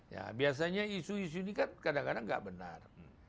ya biasanya isu isu ini kan kadang kadang nggak benar